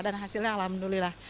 dan hasilnya alhamdulillah